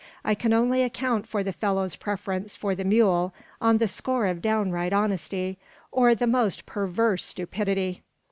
I can only account for the fellow's preference for the mule on the score of downright honesty, or the most perverse stupidity.